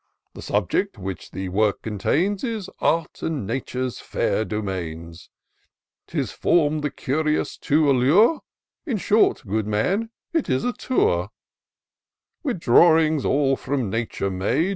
The subject which the work contains Is Art and Nature's fair domains ; 'Tis form'd the curious to allure ;— In short, good man, it is a Tour ; With drawings all from nature made.